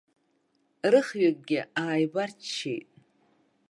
Рыхҩыкгьы ааибарччеит.